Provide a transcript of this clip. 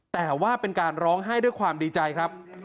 แต่ว่าเป็นการร้องไห้ด้วยความดีใจครับ